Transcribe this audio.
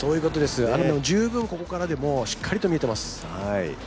十分ここからでもしっかりと見えています。